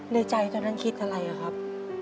ในใจตอนนั้นคิดอะไรครับ